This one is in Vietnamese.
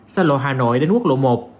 xa lộ hà nội đến quốc lộ một